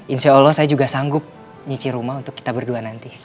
insya allah saya juga sanggup nyicir rumah untuk kita berdua nanti